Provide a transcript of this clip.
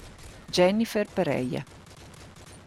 Jennifer Pareja